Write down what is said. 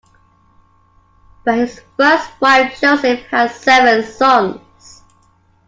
By his first wife Joseph had seven sons.